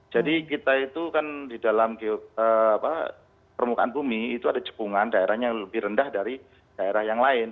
jadi kita itu kan di dalam permukaan bumi itu ada cepungan daerahnya lebih rendah dari daerah yang lain